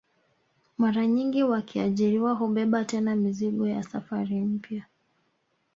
Mara nyingi wakiajiriwa hubeba tena mizigo ya safari mpya